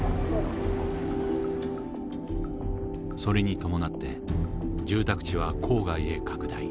それに伴って住宅地は郊外へ拡大。